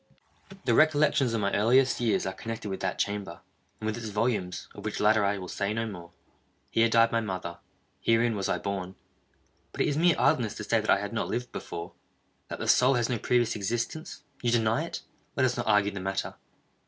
The recollections of my earliest years are connected with that chamber, and with its volumes—of which latter I will say no more. Here died my mother. Herein was I born. But it is mere idleness to say that I had not lived before—that the soul has no previous existence. You deny it?—let us not argue the matter.